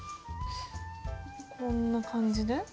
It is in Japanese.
こんな感じで？